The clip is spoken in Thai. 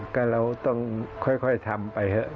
ก็เราต้องค่อยทำไปครับ